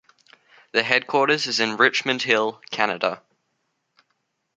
The headquarters is in Richmond Hill, Canada.